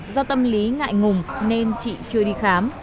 do tâm lý ngại ngùng nên chị chưa đi khám